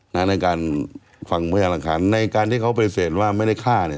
ในการฟังพยานหลักฐานในการที่เขาปฏิเสธว่าไม่ได้ฆ่าเนี่ย